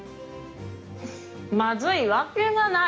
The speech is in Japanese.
まずいわけがない！